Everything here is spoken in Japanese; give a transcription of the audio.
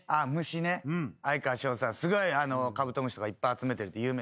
すごいカブトムシとかいっぱい集めてるって有名だよね。